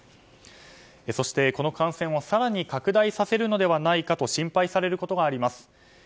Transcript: そして、この感染を更に拡大させるのではないかと心配されることがあります。